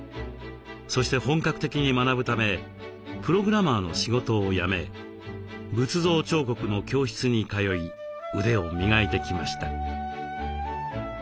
そして本格的に学ぶためプログラマーの仕事を辞め仏像彫刻の教室に通い腕を磨いてきました。